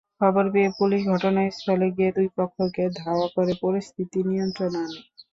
খবর পেয়ে পুলিশ ঘটনাস্থলে গিয়ে দুই পক্ষকে ধাওয়া করে পরিস্থিতি নিয়ন্ত্রণে আনে।